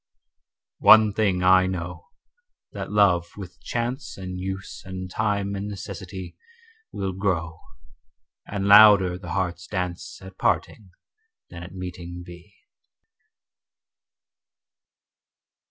One thing I know, that love with chance And use and time and necessity Will grow, and louder the heart's dance At parting than at meeting be.